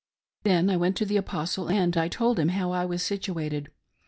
Then I went to the Apostle, and I told him how I was situated.